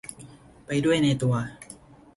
ไปด้วยในตัว